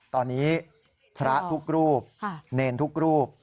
ตอนนี้พระทุกรูปเนรทุกรูป